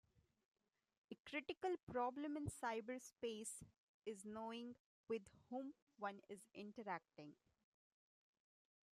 A critical problem in cyberspace is knowing with whom one is interacting.